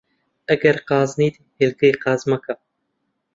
ئەگەر قازنیت، هێلکەی قاز مەکە